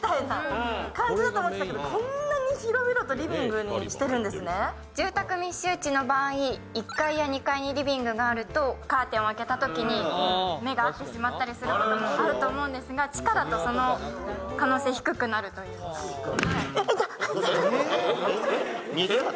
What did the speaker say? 更に住宅密集地の場合１階や２階にリビングがあるとカーテンを開けたとときに目が合ってしまうことがあると思うんですが、地下だとその可能性低くなるというか。